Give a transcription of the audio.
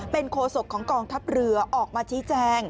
เป็นโคศกของกองทัพเรือออกมาชี้แจง